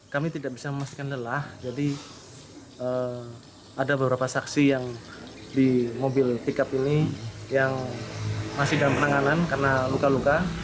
kami tidak bisa memastikan lelah jadi ada beberapa saksi yang di mobil pickup ini yang masih dalam penanganan karena luka luka